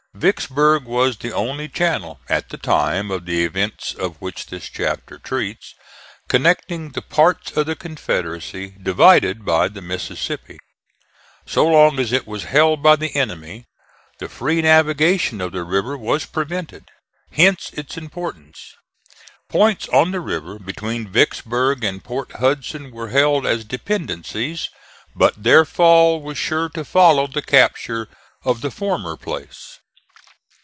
Vicksburg was the only channel, at the time of the events of which this chapter treats, connecting the parts of the Confederacy divided by the Mississippi. So long as it was held by the enemy, the free navigation of the river was prevented. Hence its importance. Points on the river between Vicksburg and Port Hudson were held as dependencies; but their fall was sure to follow the capture of the former place.